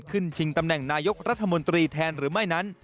ชิงตำแหน่งนายกรัฐมนตรีแทนหรือไม่นั้น